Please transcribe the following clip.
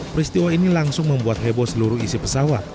peristiwa ini langsung membuat heboh seluruh isi pesawat